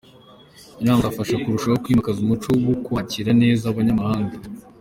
Inama zafasha kurushaho kwimakaza umuco wo kwakira neza abanyamahanga.